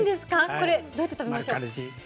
これ、どうやって食べましょう？